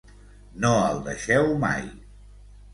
No el deixeu mai.